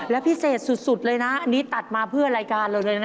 และพิเศษสุดเลยนะอันนี้ตัดมาเพื่อรายการเราเลยนะ